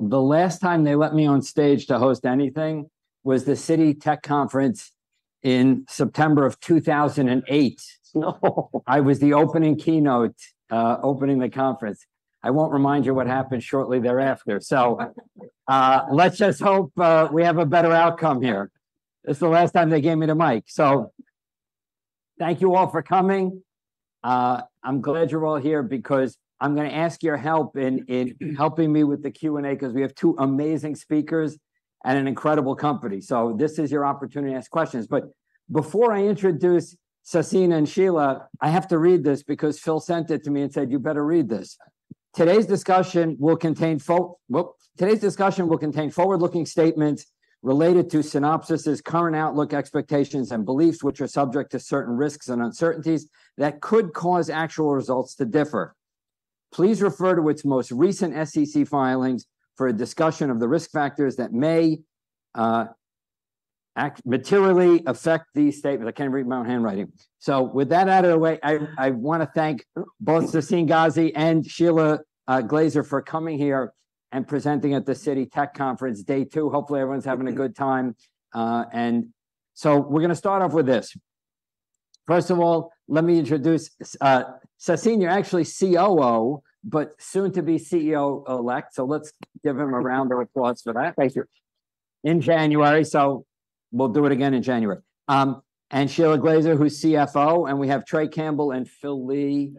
The last time they let me on stage to host anything was the Citi Tech Conference in September of 2008. No! I was the opening keynote, opening the conference. I won't remind you what happened shortly thereafter. So, let's just hope, we have a better outcome here. It's the last time they gave me the mic. So thank you all for coming. I'm glad you're all here because I'm gonna ask your help in, in helping me with the Q&A, 'cause we have two amazing speakers and an incredible company. So this is your opportunity to ask questions. But before I introduce Sassine and Shelagh, I have to read this because Phil sent it to me and said, "You better read this." Today's discussion will contain forward-looking statements related to Synopsys' current outlook, expectations, and beliefs, which are subject to certain risks and uncertainties that could cause actual results to differ. Please refer to its most recent SEC filings for a discussion of the risk factors that may materially affect these statements. I can't read my own handwriting. So with that out of the way, I want to thank both Sassine Ghazi and Shelagh Glaser for coming here and presenting at the Citi Tech Conference, day two. Hopefully, everyone's having a good time. And so we're gonna start off with this. First of all, let me introduce Sassine. You're actually COO, but soon to be CEO-elect, so let's give him a round of applause for that- Thank you... in January, so we'll do it again in January. And Shelagh Glaser, who's CFO, and we have Trey Campbell and Phil Lee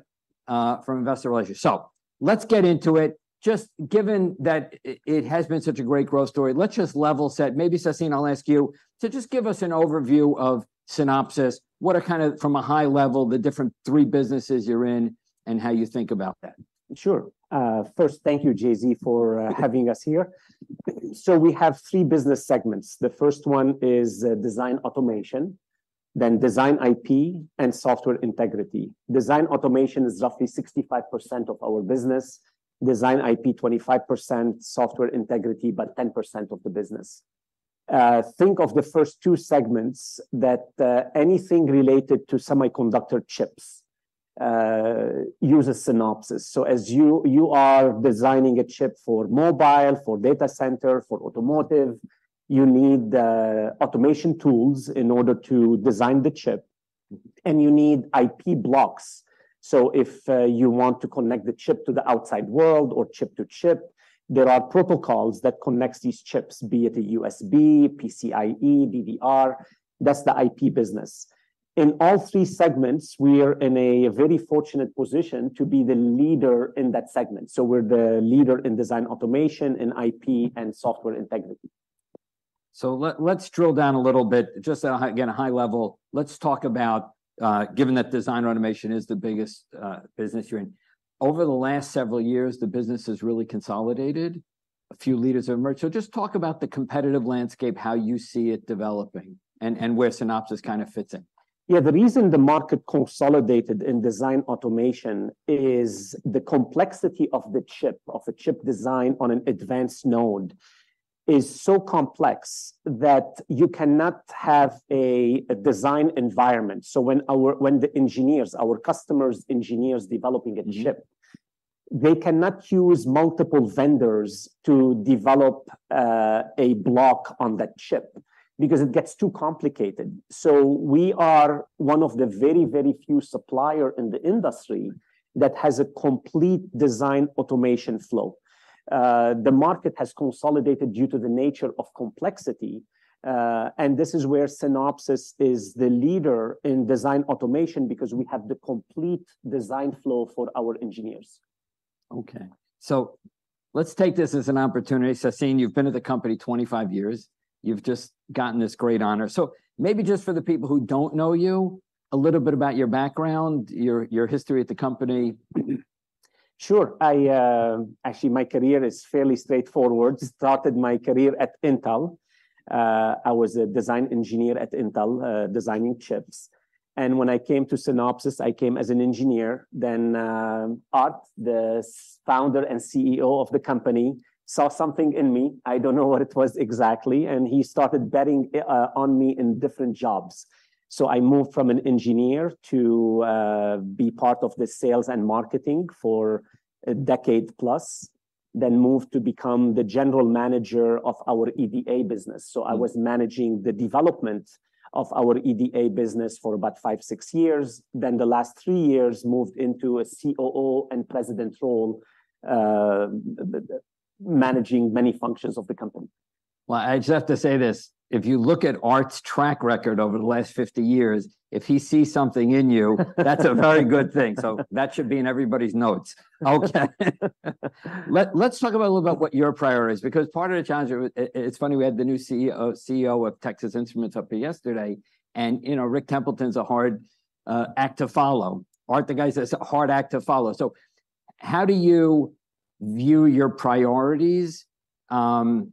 from Investor Relations. So let's get into it. Just given that it has been such a great growth story, let's just level set. Maybe, Sassine, I'll ask you to just give us an overview of Synopsys. What are, kind of from a high level, the different three businesses you're in and how you think about them? Sure. First, thank you, JZ, for having us here. So we have three business segments. The first one is design automation, then design IP, and software integrity. Design automation is roughly 65% of our business; design IP, 25%; software integrity, about 10% of the business. Think of the first two segments, that anything related to semiconductor chips uses Synopsys. So as you are designing a chip for mobile, for data center, for automotive, you need automation tools in order to design the chip, and you need IP blocks. So if you want to connect the chip to the outside world or chip to chip, there are protocols that connects these chips, be it a USB, PCIe, DDR. That's the IP business. In all three segments, we are in a very fortunate position to be the leader in that segment. We're the leader in Design Automation, in IP, and Software Integrity. Let's drill down a little bit. Just at a high, again, a high level, let's talk about, given that design automation is the biggest business you're in, over the last several years, the business has really consolidated. A few leaders have emerged. So just talk about the competitive landscape, how you see it developing, and where Synopsys kind of fits in. Yeah, the reason the market consolidated in design automation is the complexity of the chip. Of a chip design on an advanced node is so complex that you cannot have a design environment. So when our customers' engineers developing a chip, they cannot use multiple vendors to develop a block on that chip because it gets too complicated. So we are one of the very, very few supplier in the industry that has a complete design automation flow. The market has consolidated due to the nature of complexity, and this is where Synopsys is the leader in design automation, because we have the complete design flow for our engineers. Okay, so let's take this as an opportunity. Sassine, you've been at the company 25 years. You've just gotten this great honor. So maybe just for the people who don't know you, a little bit about your background, your history at the company. Sure. Actually, my career is fairly straightforward. Started my career at Intel. I was a design engineer at Intel, designing chips. When I came to Synopsys, I came as an engineer. Then Aart, the founder and CEO of the company, saw something in me, I don't know what it was exactly, and he started betting on me in different jobs. So I moved from an engineer to be part of the sales and marketing for a decade-plus, then moved to become the general manager of our EDA business. So I was managing the development of our EDA business for about 5, 6 years. Then the last 3 years, moved into a COO and president role, managing many functions of the company. Well, I just have to say this: If you look at Aart's track record over the last 50 years, if he sees something in you-... that's a very good thing. So that should be in everybody's notes. Okay. Let's talk about a little about what your priority is, because part of the challenge, it's funny, we had the new CEO of Texas Instruments up here yesterday, and, you know, Rich Templeton's a hard act to follow. Aart de Geus is a hard act to follow. So how do you view your priorities? What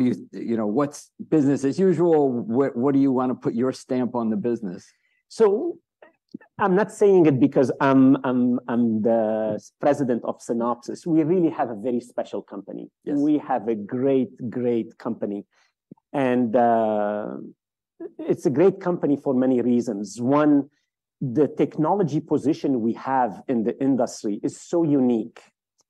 do you... You know, what's business as usual? Where, what do you want to put your stamp on the business? So I'm not saying it because I'm the president of Synopsys. We really have a very special company. Yes. We have a great, great company. It's a great company for many reasons. One, the technology position we have in the industry is so unique.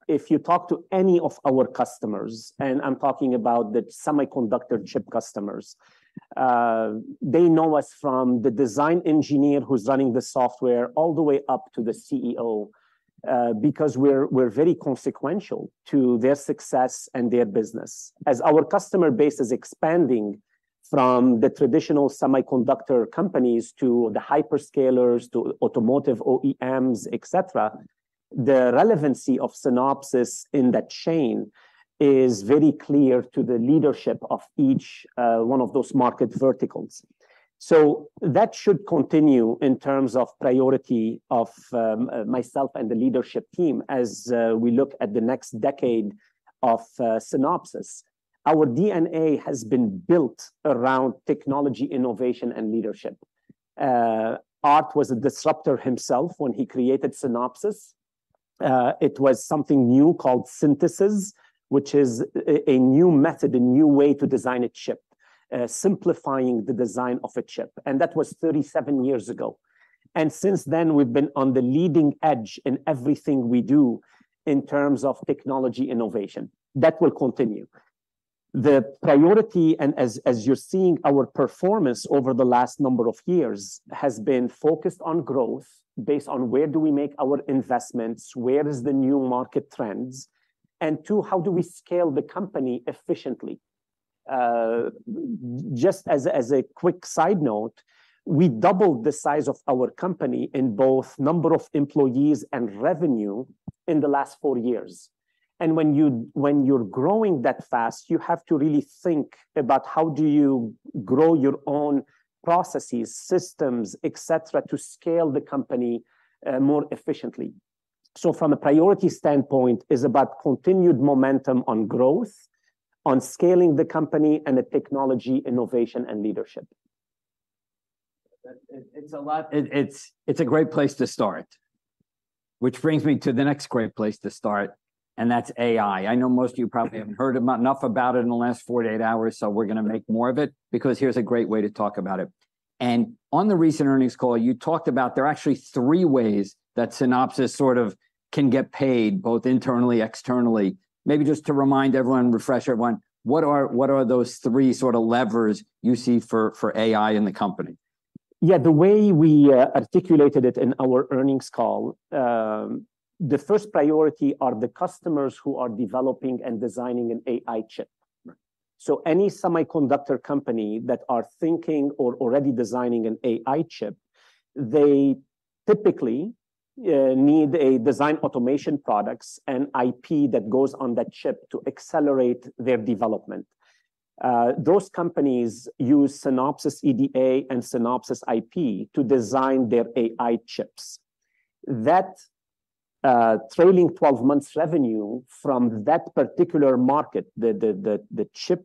If you talk to any of our customers, and I'm talking about the semiconductor chip customers, they know us from the design engineer who's running the software all the way up to the CEO, because we're very consequential to their success and their business. As our customer base is expanding from the traditional semiconductor companies to the hyperscalers, to automotive OEMs, et cetera, the relevancy of Synopsys in that chain is very clear to the leadership of each one of those market verticals. So that should continue in terms of priority of myself and the leadership team as we look at the next decade of Synopsys. Our DNA has been built around technology, innovation, and leadership. Aart was a disruptor himself when he created Synopsys. It was something new called synthesis, which is a new method, a new way to design a chip, simplifying the design of a chip, and that was 37 years ago. Since then, we've been on the leading edge in everything we do in terms of technology innovation. That will continue. The priority, and as you're seeing, our performance over the last number of years, has been focused on growth based on where do we make our investments, where is the new market trends, and two, how do we scale the company efficiently? Just as a quick side note, we doubled the size of our company in both number of employees and revenue in the last four years. When you're growing that fast, you have to really think about how do you grow your own processes, systems, et cetera, to scale the company more efficiently. From a priority standpoint, it's about continued momentum on growth, on scaling the company, and the technology, innovation, and leadership. That... It, it's a lot-- it's, it's a great place to start. Which brings me to the next great place to start, and that's AI. I know most of you probably have heard about- enough about it in the last 48 hours, so we're going to make more of it, because here's a great way to talk about it. On the recent earnings call, you talked about there are actually three ways that Synopsys sort of can get paid, both internally, externally. Maybe just to remind everyone, refresh everyone, what are, what are those three sort of levers you see for, for AI in the company? Yeah, the way we articulated it in our earnings call, the first priority are the customers who are developing and designing an AI chip. Right. So any semiconductor company that are thinking or already designing an AI chip, they typically need a design automation products and IP that goes on that chip to accelerate their development. Those companies use Synopsys EDA and Synopsys IP to design their AI chips. That trailing twelve months revenue from that particular market, the chip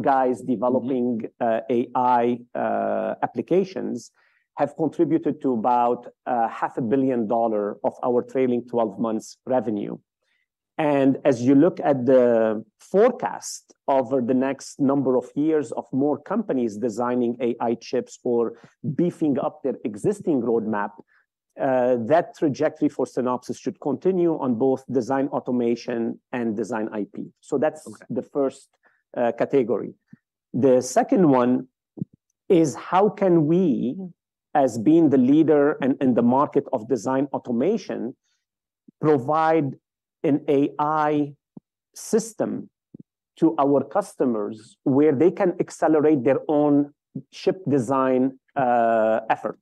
guys developing AI applications, have contributed to about $500 million of our trailing twelve months revenue. And as you look at the forecast over the next number of years of more companies designing AI chips or beefing up their existing roadmap, that trajectory for Synopsys should continue on both design automation and design IP. Okay. So that's the first category. The second one is how can we, as being the leader in, in the market of design automation, provide an AI system to our customers where they can accelerate their own chip design effort?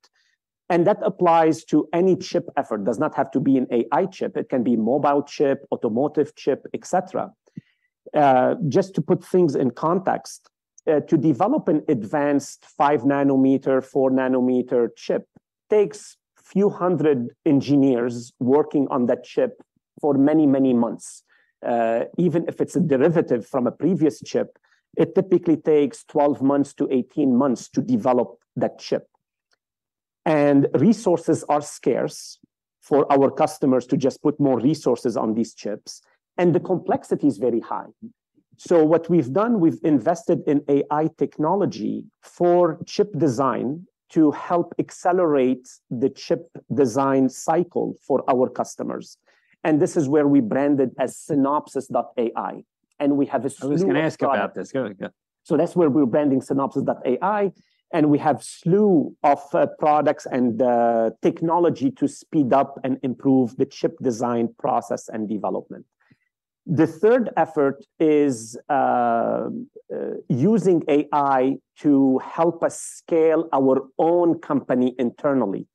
And that applies to any chip effort, does not have to be an AI chip. It can be mobile chip, automotive chip, et cetera. Just to put things in context, to develop an advanced 5-nanometer, 4-nanometer chip takes few hundred engineers working on that chip for many, many months. Even if it's a derivative from a previous chip, it typically takes 12 months-18 months to develop that chip. And resources are scarce for our customers to just put more resources on these chips, and the complexity is very high. So what we've done, we've invested in AI technology for chip design to help accelerate the chip design cycle for our customers, and this is where we brand it as Synopsys.ai. And we have a slew of- I was gonna ask about this. Go ahead, yeah. So that's where we're branding Synopsys.ai, and we have slew of products and technology to speed up and improve the chip design process and development. The third effort is using AI to help us scale our own company internally.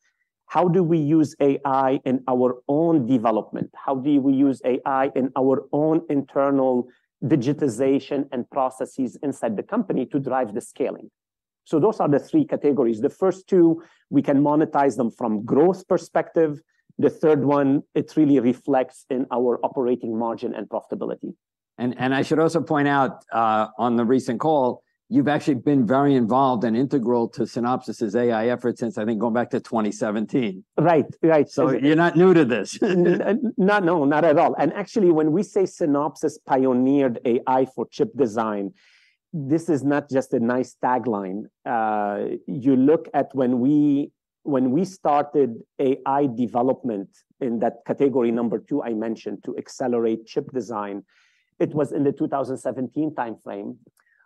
How do we use AI in our own development? How do we use AI in our own internal digitization and processes inside the company to drive the scaling? So those are the three categories. The first two, we can monetize them from growth perspective. The third one, it really reflects in our operating margin and profitability.... And I should also point out, on the recent call, you've actually been very involved and integral to Synopsys's AI effort since, I think, going back to 2017. Right. Right. So you're not new to this? And no, not at all. And actually, when we say Synopsys pioneered AI for chip design, this is not just a nice tagline. You look at when we, when we started AI development in that category number two I mentioned to accelerate chip design, it was in the 2017 timeframe,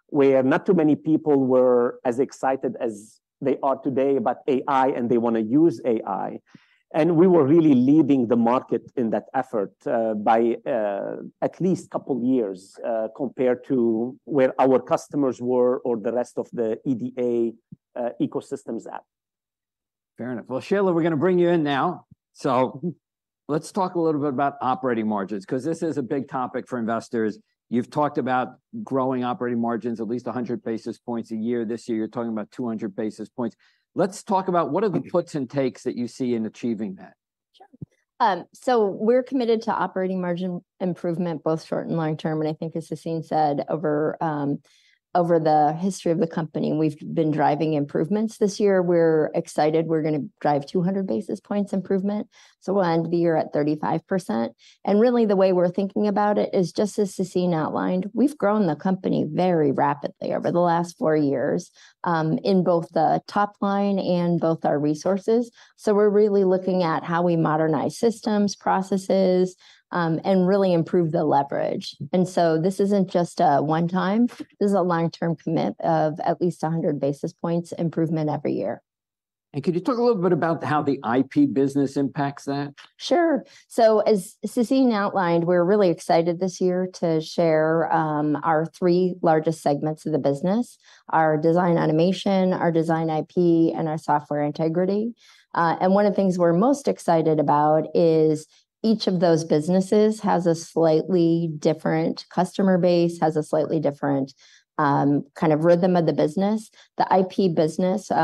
where not too many people were as excited as they are today about AI, and they wanna use AI. And we were really leading the market in that effort, by at least couple years, compared to where our customers were or the rest of the EDA ecosystems at. Fair enough. Well, Shelagh, we're gonna bring you in now. So let's talk a little bit about operating margins, 'cause this is a big topic for investors. You've talked about growing operating margins at least 100 basis points a year. This year, you're talking about 200 basis points. Let's talk about what are the puts and takes that you see in achieving that? Sure. So we're committed to operating margin improvement, both short and long term, and I think as Sassine said, over the history of the company, we've been driving improvements. This year, we're excited we're gonna drive 200 basis points improvement, so we'll end the year at 35%. And really, the way we're thinking about it is, just as Sassine outlined, we've grown the company very rapidly over the last four years, in both the top line and both our resources. So we're really looking at how we modernize systems, processes, and really improve the leverage. And so this isn't just a one-time, this is a long-term commit of at least 100 basis points improvement every year. Could you talk a little bit about how the IP business impacts that? Sure. So as Sassine outlined, we're really excited this year to share our three largest segments of the business, our design automation, our design IP, and our software integrity. And one of the things we're most excited about is each of those businesses has a slightly different customer base, has a slightly different kind of rhythm of the business. The IP business, we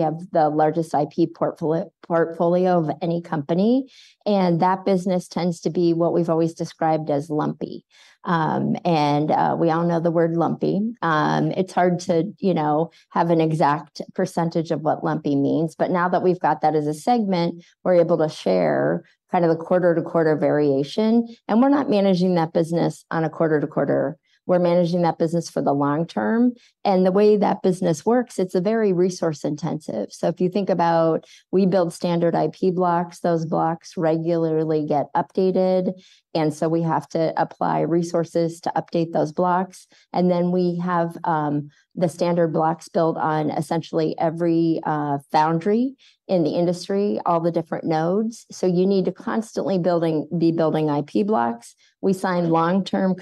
have the largest IP portfolio of any company, and that business tends to be what we've always described as lumpy. And we all know the word lumpy. It's hard to, you know, have an exact percentage of what lumpy means, but now that we've got that as a segment, we're able to share kind of the quarter-to-quarter variation. And we're not managing that business on a quarter to quarter, we're managing that business for the long term. The way that business works, it's a very resource-intensive. So if you think about, we build standard IP blocks, those blocks regularly get updated, and so we have to apply resources to update those blocks. And then we have the standard blocks built on essentially every foundry in the industry, all the different nodes. So you need to constantly be building IP blocks. We sign long-term,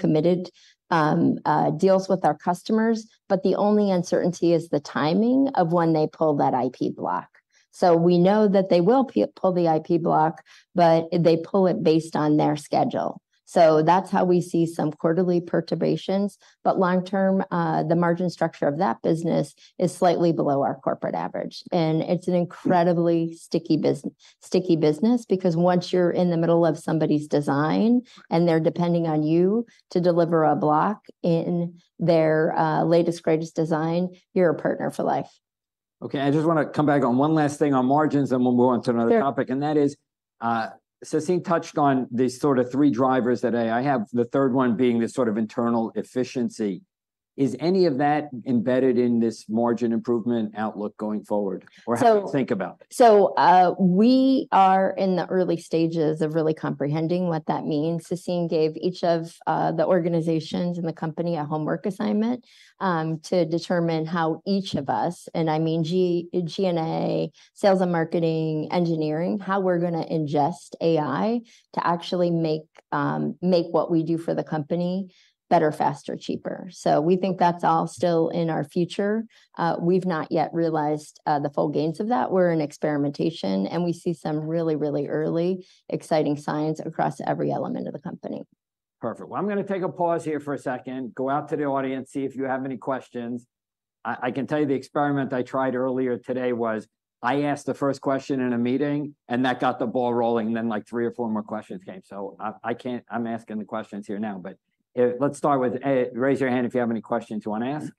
committed deals with our customers, but the only uncertainty is the timing of when they pull that IP block. So we know that they will pull the IP block, but they pull it based on their schedule. So that's how we see some quarterly perturbations. But long term, the margin structure of that business is slightly below our corporate average, and it's an incredibly sticky business, because once you're in the middle of somebody's design and they're depending on you to deliver a block in their latest, greatest design, you're a partner for life. Okay, I just wanna come back on one last thing on margins, and we'll move on to another topic. Sure. And that is, Sassine touched on the sort of three drivers that AI have, the third one being this sort of internal efficiency. Is any of that embedded in this margin improvement outlook going forward? So- or how do you think about it? So, we are in the early stages of really comprehending what that means. Sassine gave each of the organizations in the company a homework assignment to determine how each of us, and I mean G&A, sales and marketing, engineering, how we're gonna ingest AI to actually make make what we do for the company better, faster, cheaper. So we think that's all still in our future. We've not yet realized the full gains of that. We're in experimentation, and we see some really, really early exciting signs across every element of the company. Perfect. Well, I'm gonna take a pause here for a second, go out to the audience, see if you have any questions. I can tell you the experiment I tried earlier today was, I asked the first question in a meeting, and that got the ball rolling, and then, like, three or four more questions came. So I can't—I'm asking the questions here now, but let's start with raise your hand if you have any questions you wanna ask.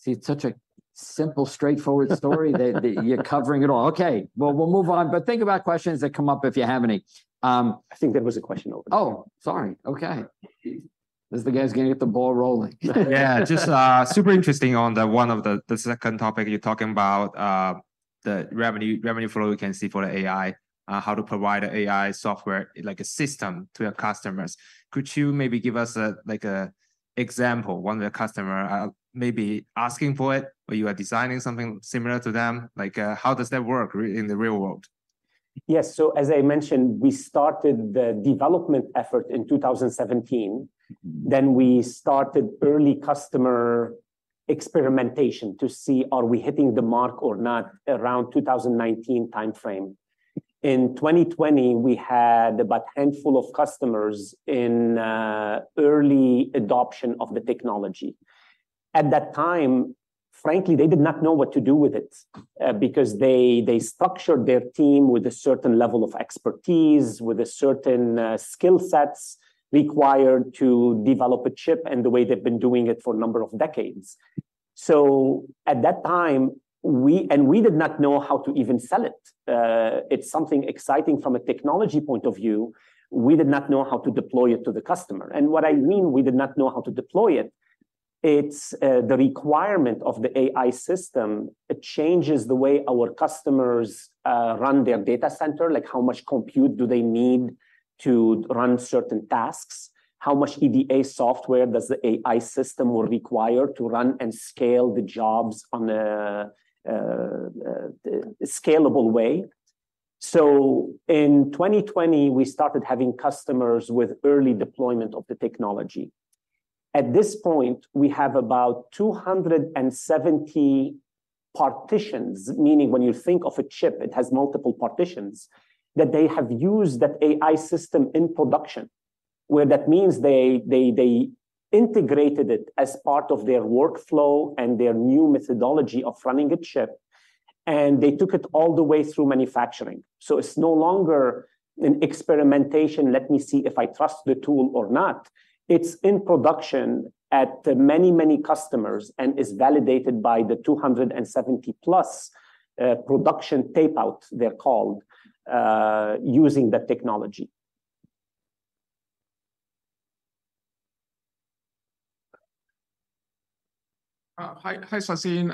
See, it's such a simple, straightforward story that you're covering it all. Okay, well, we'll move on, but think about questions that come up if you have any. I think there was a question over there. Oh, sorry. Okay. This is the guy who's gonna get the ball rolling. Yeah, just super interesting on the one of the second topic you're talking about, the revenue flow we can see for the AI, how to provide a AI software, like a system, to your customers. Could you maybe give us a, like, a example, one of your customer maybe asking for it, or you are designing something similar to them? Like, how does that work in the real world? Yes. So as I mentioned, we started the development effort in 2017. Then we started early customer experimentation to see are we hitting the mark or not around 2019 timeframe. In 2020, we had about a handful of customers in early adoption of the technology. At that time, frankly, they did not know what to do with it because they structured their team with a certain level of expertise, with a certain skill sets required to develop a chip and the way they've been doing it for a number of decades. So at that time, and we did not know how to even sell it. It's something exciting from a technology point of view. We did not know how to deploy it to the customer. And what I mean, we did not know how to deploy it. It's the requirement of the AI system. It changes the way our customers run their data center, like how much compute do they need to run certain tasks? How much EDA software does the AI system will require to run and scale the jobs on a scalable way? In 2020, we started having customers with early deployment of the technology. At this point, we have about 270 partitions, meaning when you think of a chip, it has multiple partitions, that they have used that AI system in production, where that means they integrated it as part of their workflow and their new methodology of running a chip, and they took it all the way through manufacturing. It's no longer an experimentation, let me see if I trust the tool or not. It's in production at many, many customers and is validated by the 270+ production tape-outs, they're called, using the technology. Hi, hi, Sassine.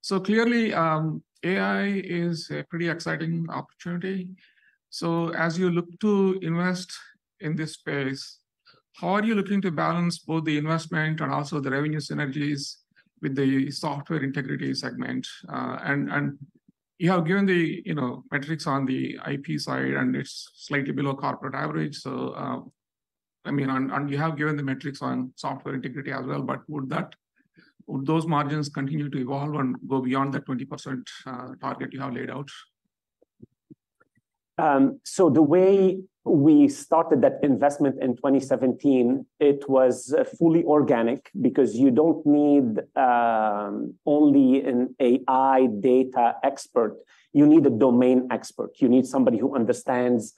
So clearly, AI is a pretty exciting opportunity. So as you look to invest in this space, how are you looking to balance both the investment and also the revenue synergies with the Software Integrity segment? And you have given the, you know, metrics on the IP side, and it's slightly below corporate average. So, I mean, and you have given the metrics on Software Integrity as well, but would those margins continue to evolve and go beyond the 20% target you have laid out? So the way we started that investment in 2017, it was fully organic because you don't need only an AI data expert. You need a domain expert. You need somebody who understands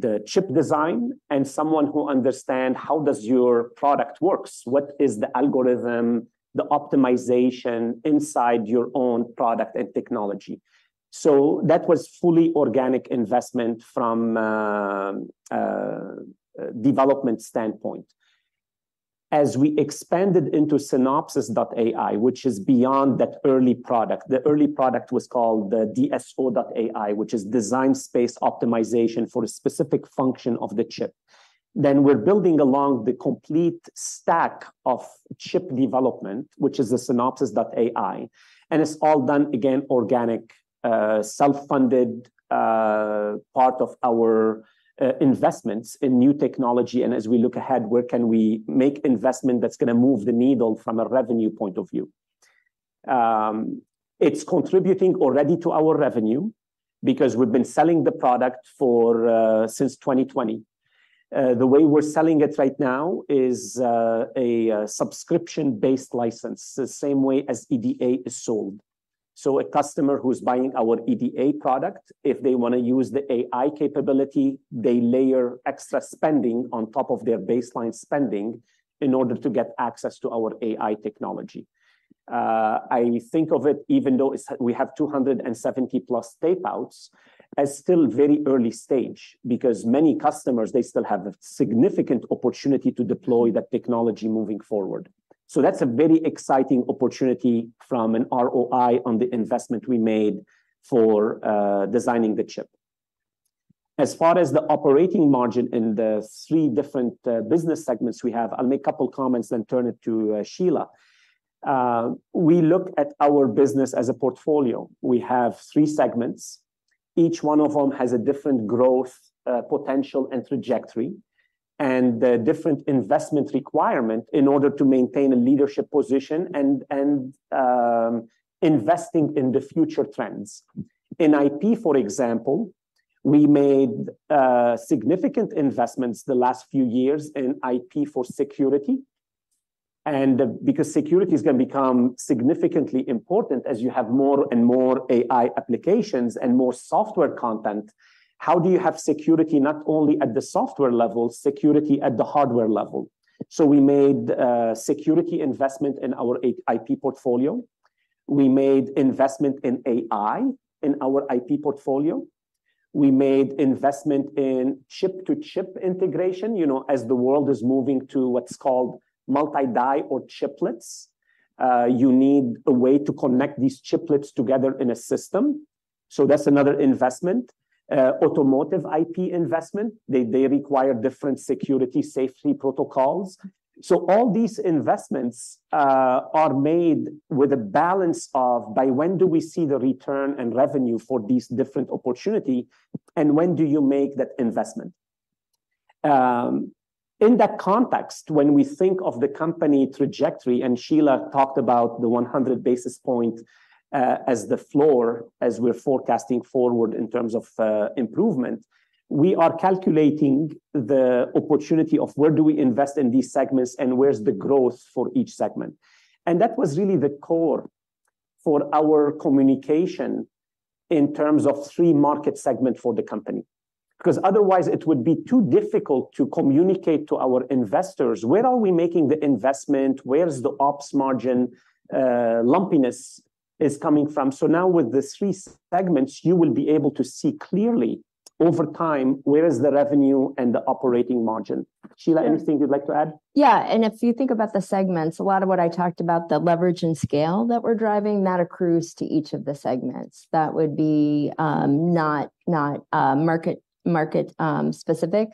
the chip design and someone who understand how does your product works, what is the algorithm, the optimization inside your own product and technology. So that was fully organic investment from a development standpoint. As we expanded into Synopsys.ai, which is beyond that early product, the early product was called the DSO.ai, which is design space optimization for a specific function of the chip. Then we're building along the complete stack of chip development, which is the Synopsys.ai, and it's all done, again, organic, self-funded, part of our investments in new technology. As we look ahead, where can we make investment that's going to move the needle from a revenue point of view? It's contributing already to our revenue because we've been selling the product for since 2020. The way we're selling it right now is a subscription-based license, the same way as EDA is sold. A customer who's buying our EDA product, if they want to use the AI capability, they layer extra spending on top of their baseline spending in order to get access to our AI technology. I think of it, even though we have 270+ tape-outs, as still very early stage because many customers, they still have a significant opportunity to deploy that technology moving forward. So that's a very exciting opportunity from an ROI on the investment we made for designing the chip. As far as the operating margin in the three different business segments we have, I'll make a couple comments, then turn it to Shelagh. We look at our business as a portfolio. We have three segments. Each one of them has a different growth potential and trajectory, and a different investment requirement in order to maintain a leadership position and investing in the future trends. In IP, for example, we made significant investments the last few years in IP for security. And because security is going to become significantly important as you have more and more AI applications and more software content, how do you have security not only at the software level, security at the hardware level? So we made security investment in our IP portfolio. We made investment in AI in our IP portfolio. We made investment in chip-to-chip integration. You know, as the world is moving to what's called multi-die or chiplets, you need a way to connect these chiplets together in a system. So that's another investment. Automotive IP investment, they require different security safety protocols. So all these investments are made with a balance of by when do we see the return and revenue for these different opportunity, and when do you make that investment? In that context, when we think of the company trajectory, and Shelagh talked about the 100 basis point, as the floor as we're forecasting forward in terms of, improvement, we are calculating the opportunity of where do we invest in these segments and where's the growth for each segment? That was really the core for our communication in terms of three market segments for the company. Because otherwise, it would be too difficult to communicate to our investors, where are we making the investment? Where's the ops margin, lumpiness is coming from? So now with the three segments, you will be able to see clearly over time, where is the revenue and the operating margin. Shelagh, anything you'd like to add? Yeah, and if you think about the segments, a lot of what I talked about, the leverage and scale that we're driving, that accrues to each of the segments. That would be not market specific.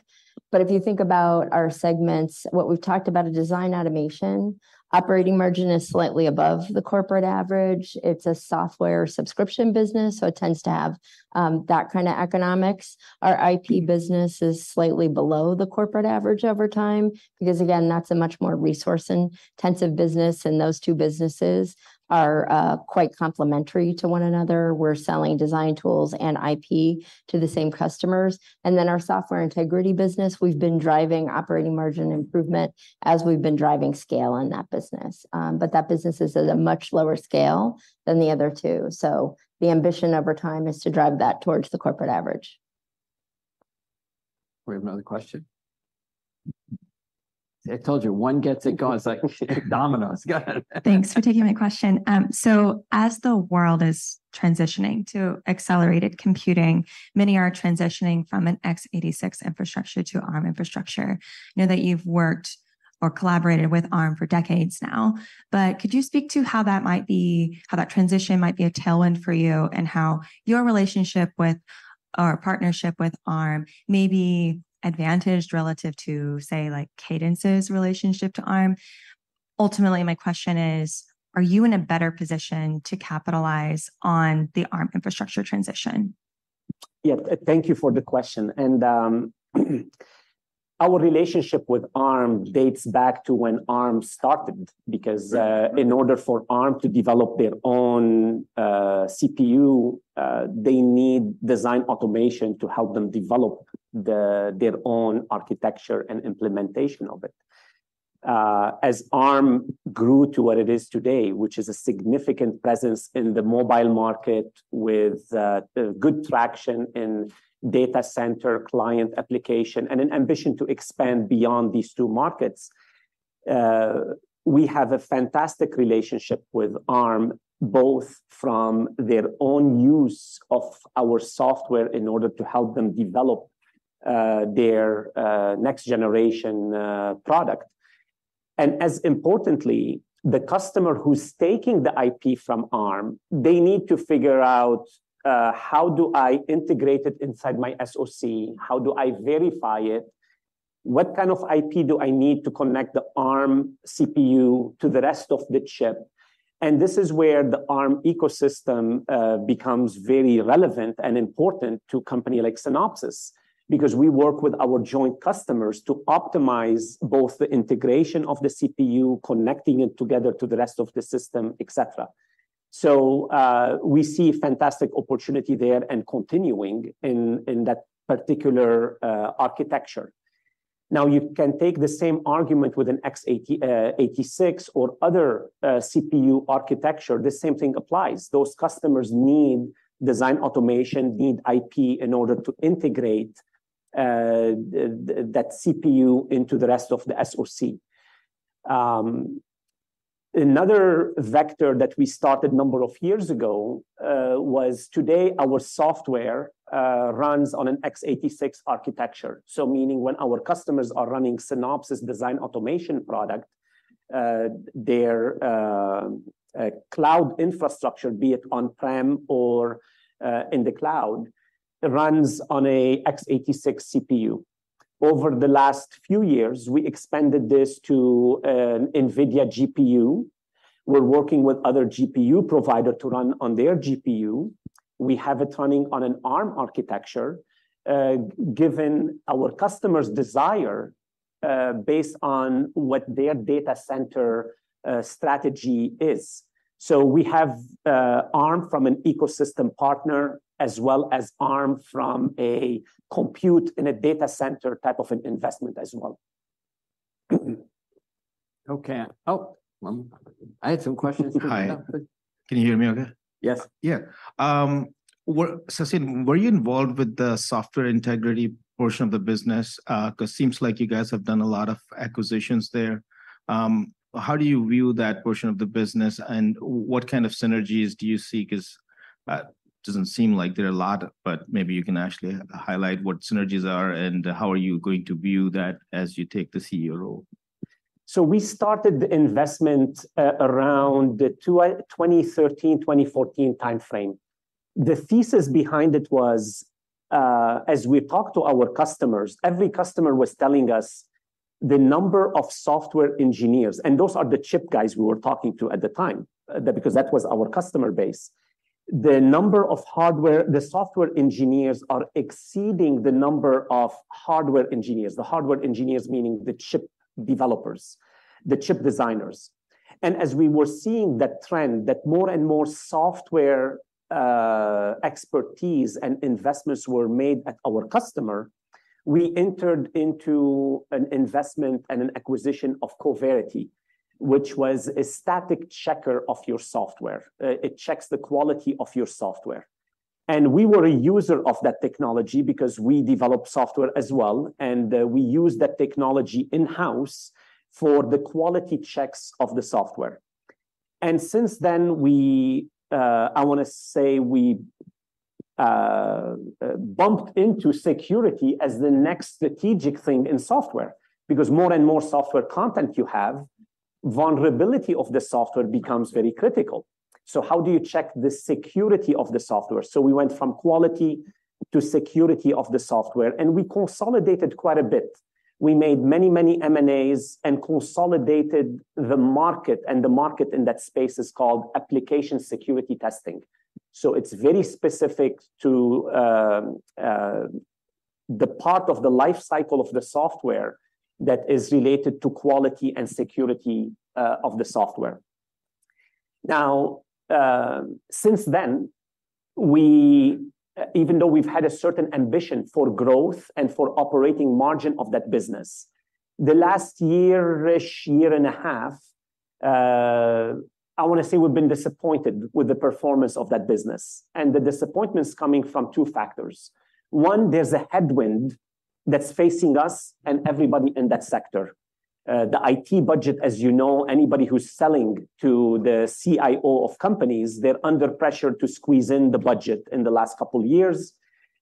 But if you think about our segments, what we've talked about a Design Automation, operating margin is slightly above the corporate average. It's a software subscription business, so it tends to have that kind of economics. Our IP business is slightly below the corporate average over time because, again, that's a much more resource-intensive business, and those two businesses are quite complementary to one another. We're selling design tools and IP to the same customers. And then our Software Integrity business, we've been driving operating margin improvement as we've been driving scale on that business. But that business is at a much lower scale than the other two. So the ambition over time is to drive that towards the corporate average. We have another question? I told you, one gets it going, it's like dominoes. Go ahead. Thanks for taking my question. So as the world is transitioning to accelerated computing, many are transitioning from an x86 infrastructure to Arm infrastructure. I know that you've worked or collaborated with Arm for decades now, but could you speak to how that might be, how that transition might be a tailwind for you, and how your relationship with or partnership with Arm may be advantaged relative to, say, like, Cadence's relationship to Arm? Ultimately, my question is, are you in a better position to capitalize on the Arm infrastructure transition? Yeah, thank you for the question. And, our relationship with Arm dates back to when Arm started, because, in order for Arm to develop their own, CPU, they need design automation to help them develop their own architecture and implementation of it. As Arm grew to what it is today, which is a significant presence in the mobile market with good traction in data center, client application, and an ambition to expand beyond these two markets, we have a fantastic relationship with Arm, both from their own use of our software in order to help them develop their next generation product. And as importantly, the customer who's taking the IP from Arm, they need to figure out, "How do I integrate it inside my SoC? How do I verify it? What kind of IP do I need to connect the Arm CPU to the rest of the chip?" This is where the Arm ecosystem becomes very relevant and important to a company like Synopsys, because we work with our joint customers to optimize both the integration of the CPU, connecting it together to the rest of the system, et cetera. So, we see fantastic opportunity there and continuing in that particular architecture. Now, you can take the same argument with an x86 or other CPU architecture. The same thing applies. Those customers need design automation, need IP in order to integrate that CPU into the rest of the SoC. Another vector that we started a number of years ago was today, our software runs on an x86 architecture. So meaning, when our customers are running Synopsys design automation product, their cloud infrastructure, be it on-prem or in the cloud, it runs on a x86 CPU. Over the last few years, we expanded this to an NVIDIA GPU. We're working with other GPU provider to run on their GPU. We have it running on an Arm architecture, given our customers' desire, based on what their data center strategy is. So we have Arm from an ecosystem partner, as well as Arm from a compute in a data center type of an investment as well. Okay. Oh, I had some questions- Hi. Can you hear me okay? Yes. Yeah, Sassine, were you involved with the Software Integrity portion of the business? Because it seems like you guys have done a lot of acquisitions there. How do you view that portion of the business, and what kind of synergies do you see? Because it doesn't seem like there are a lot, but maybe you can actually highlight what synergies are, and how are you going to view that as you take the CEO role? So we started the investment around the 2013, 2014 timeframe. The thesis behind it was, as we talked to our customers, every customer was telling us the number of software engineers, and those are the chip guys we were talking to at the time, because that was our customer base. The number of hardware, the software engineers are exceeding the number of hardware engineers. The hardware engineers meaning the chip developers, the chip designers. And as we were seeing that trend, that more and more software, expertise and investments were made at our customer, we entered into an investment and an acquisition of Coverity, which was a static checker of your software. It checks the quality of your software. We were a user of that technology because we develop software as well, and we use that technology in-house for the quality checks of the software. Since then, I wanna say we bumped into security as the next strategic thing in software. Because more and more software content you have, vulnerability of the software becomes very critical. So how do you check the security of the software? We went from quality to security of the software, and we consolidated quite a bit. We made many, many M&As and consolidated the market, and the market in that space is called application security testing. It's very specific to the part of the life cycle of the software that is related to quality and security of the software. Now, since then, we, even though we've had a certain ambition for growth and for operating margin of that business, the last year-ish, year and a half, I wanna say we've been disappointed with the performance of that business, and the disappointment's coming from two factors. One, there's a headwind that's facing us and everybody in that sector. The IT budget, as you know, anybody who's selling to the CIO of companies, they're under pressure to squeeze in the budget in the last couple years,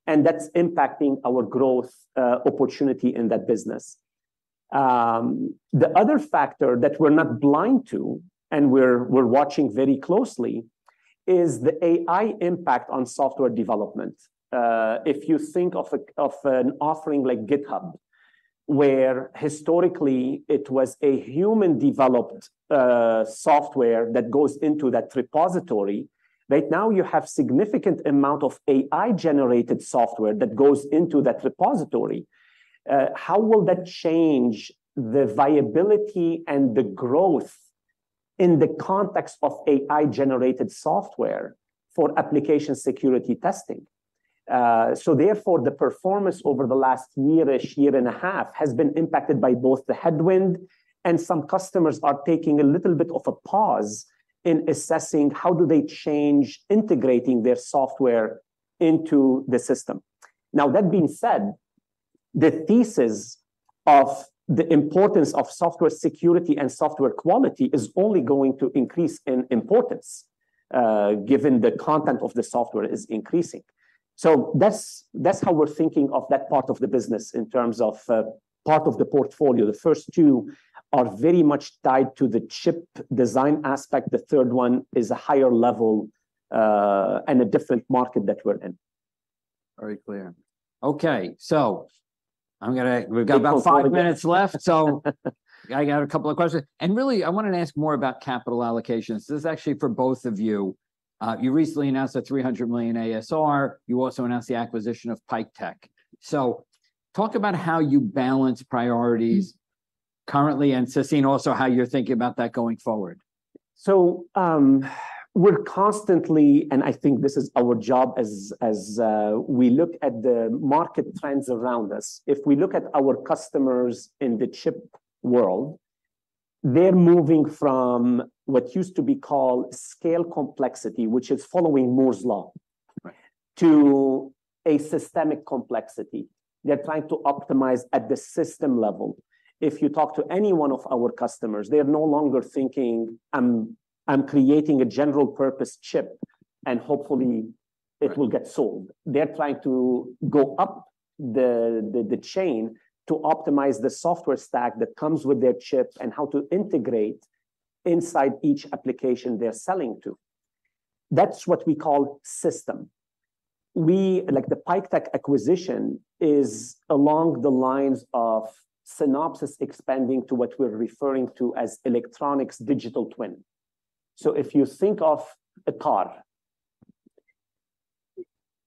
and that's impacting our growth opportunity in that business. The other factor that we're not blind to, and we're, we're watching very closely, is the AI impact on software development. If you think of an offering like GitHub, where historically it was a human-developed software that goes into that repository, right now you have significant amount of AI-generated software that goes into that repository. How will that change the viability and the growth in the context of AI-generated software for application security testing? So therefore, the performance over the last year-ish, year and a half, has been impacted by both the headwind, and some customers are taking a little bit of a pause in assessing how do they change integrating their software into the system. Now, that being said, the thesis of the importance of software security and software quality is only going to increase in importance, given the content of the software is increasing. So that's, that's how we're thinking of that part of the business in terms of, part of the portfolio. The first two are very much tied to the chip design aspect. The third one is a higher level, and a different market that we're in. Very clear. Okay, so I'm gonna—we've got about five minutes left. So I got a couple of questions. And really, I wanted to ask more about capital allocations. This is actually for both of you. You recently announced a $300 million ASR. You also announced the acquisition of PikeTec. So talk about how you balance priorities currently, and Sassine, also, how you're thinking about that going forward. So, we're constantly, and I think this is our job as we look at the market trends around us. If we look at our customers in the chip world, they're moving from what used to be called scale complexity, which is following Moore's Law- Right... to a systemic complexity. They're trying to optimize at the system level. If you talk to any one of our customers, they're no longer thinking, "I'm creating a general purpose chip, and hopefully it will get sold. Right. They're trying to go up the chain to optimize the software stack that comes with their chips and how to integrate inside each application they're selling to. That's what we call system. We, like, the PikeTec acquisition is along the lines of Synopsys expanding to what we're referring to as Electronics Digital Twin. So if you think of a car,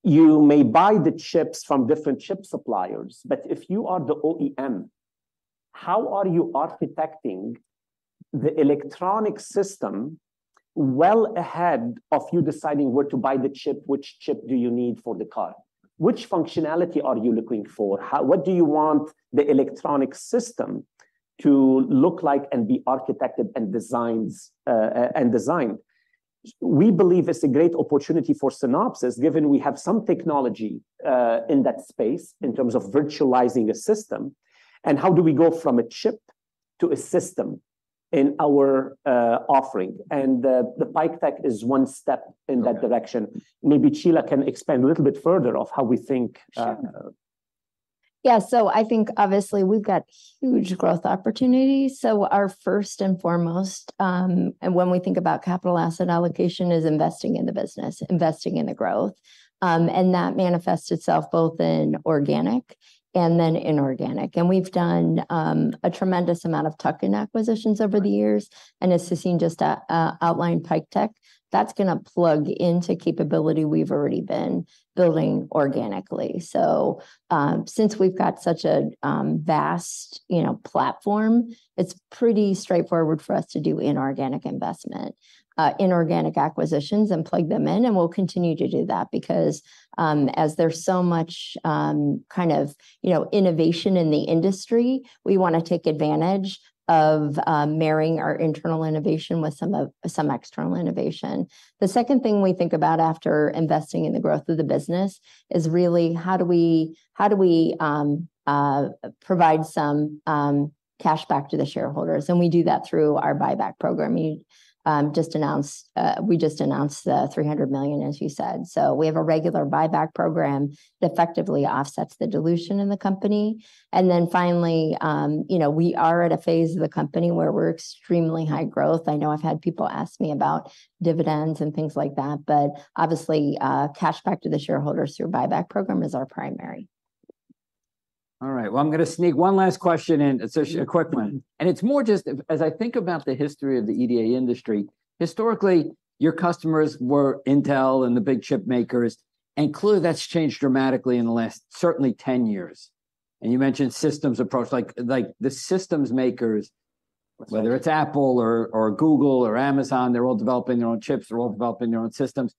you may buy the chips from different chip suppliers, but if you are the OEM, how are you architecting the electronic system well ahead of you deciding where to buy the chip, which chip do you need for the car? Which functionality are you looking for? What do you want the electronic system to look like and be architected and designs, and designed? We believe it's a great opportunity for Synopsys, given we have some technology in that space in terms of virtualizing a system, and how do we go from a chip to a system in our offering? And the PikeTec is one step in that direction. Okay. Maybe Shelagh can expand a little bit further on how we think. Sure. Yeah, so I think obviously we've got huge growth opportunities, so our first and foremost, and when we think about capital asset allocation, is investing in the business, investing in the growth. And that manifests itself both in organic and then inorganic. And we've done a tremendous amount of tuck-in acquisitions over the years... and assessing just an outline PikeTec, that's gonna plug into capability we've already been building organically. So, since we've got such a vast, you know, platform, it's pretty straightforward for us to do inorganic investment, inorganic acquisitions and plug them in, and we'll continue to do that because, as there's so much, kind of, you know, innovation in the industry, we wanna take advantage of marrying our internal innovation with some external innovation. The second thing we think about after investing in the growth of the business is really how do we provide some cash back to the shareholders? And we do that through our buyback program. We just announced the $300 million, as you said. So we have a regular buyback program that effectively offsets the dilution in the company. And then finally, you know, we are at a phase of the company where we're extremely high growth. I know I've had people ask me about dividends and things like that, but obviously, cash back to the shareholders through buyback program is our primary. All right, well, I'm gonna sneak one last question in. It's a quick one, and it's more just as I think about the history of the EDA industry, historically, your customers were Intel and the big chip makers, and clearly, that's changed dramatically in the last certainly 10 years. And you mentioned systems approach, like, like, the systems makers, whether it's Apple or, or Google or Amazon, they're all developing their own chips. They're all developing their own systems.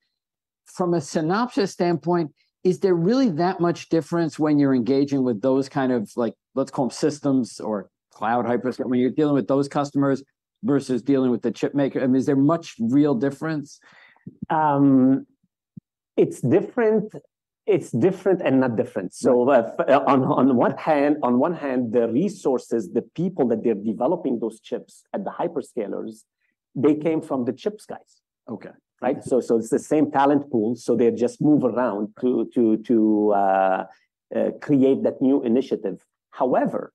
From a Synopsys standpoint, is there really that much difference when you're engaging with those kind of like, let's call them systems or cloud hyperscalers, when you're dealing with those customers versus dealing with the chip maker? I mean, is there much real difference? It's different. It's different and not different. Okay. So, on one hand, the resources, the people that they're developing those chips at the hyperscalers, they came from the chips guys. Okay. Right? So, so it's the same talent pool, so they just move around to create that new initiative. However,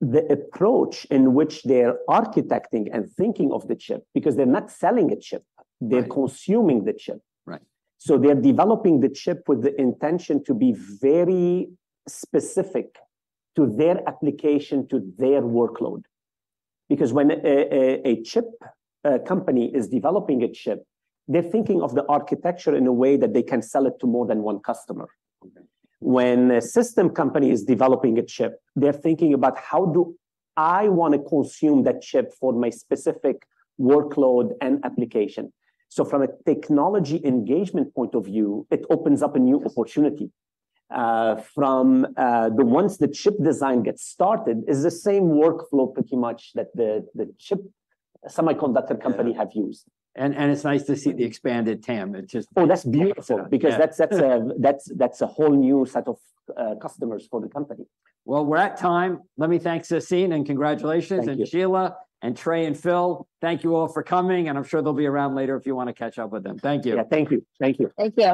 the approach in which they're architecting and thinking of the chip, because they're not selling a chip- Right... they're consuming the chip. Right. So they're developing the chip with the intention to be very specific to their application, to their workload. Because when a chip company is developing a chip, they're thinking of the architecture in a way that they can sell it to more than one customer. Okay. When a system company is developing a chip, they're thinking about, "How do I wanna consume that chip for my specific workload and application?" So from a technology engagement point of view, it opens up a new opportunity. From the ones the chip design gets started, it's the same workflow pretty much that the chip semiconductor company have used. It's nice to see the expanded TAM. It's just- Oh, that's beautiful- Yeah... because that's a whole new set of customers for the company. Well, we're at time. Let me thank Sassine, and congratulations- Thank you. —and Shelagh, and Trey, and Phil. Thank you all for coming, and I'm sure they'll be around later if you wanna catch up with them. Thank you. Yeah, thank you. Thank you. Thank you.